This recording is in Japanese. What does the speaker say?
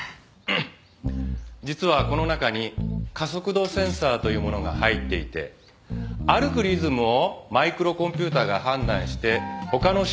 実はこの中に加速度センサーというものが入っていて歩くリズムをマイクロコンピューターが判断して他の振動と区別しているんです。